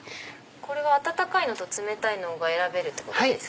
これは温かいのと冷たいのが選べるってことですか？